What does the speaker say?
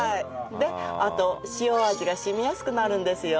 であと塩味が染みやすくなるんですよ。